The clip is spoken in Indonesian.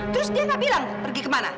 terus dia nggak bilang pergi kemana